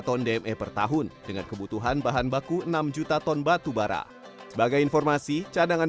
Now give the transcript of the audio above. ton dme per tahun dengan kebutuhan bahan baku enam juta ton batubara sebagai informasi cadangan